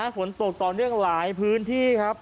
ฝนตกต่อเนื่องหลายพื้นที่ครับ